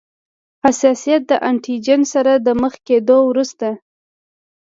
حساسیت د انټي جېن سره د مخ کیدو وروسته.